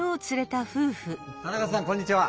田中さんこんにちは。